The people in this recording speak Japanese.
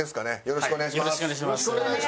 よろしくお願いします。